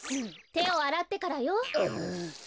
てをあらってからよ。